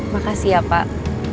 makasih ya pak